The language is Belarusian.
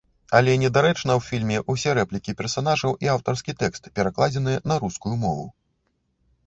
Але недарэчна ў фільме ўсе рэплікі персанажаў і аўтарскі тэкст перакладзеныя на рускую мову.